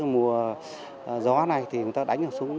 mùa gió này chúng ta đánh ở xuống